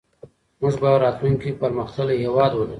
موږ به راتلونکي کې پرمختللی هېواد ولرو.